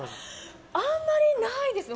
あんまりないですね。